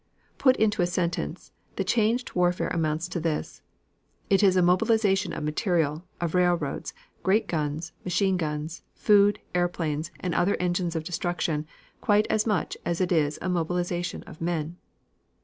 Put into a sentence, the changed warfare amounts to this: it is a mobilization of material, of railroads, great guns, machine guns, food, airplanes and other engines of destruction quite as much as it is a mobilization of men.